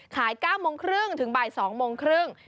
๙โมงครึ่งถึงบ่าย๒โมงครึ่ง